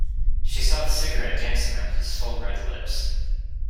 She saw the cigarette dancing on his full red lips.